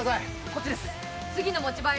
こっちです。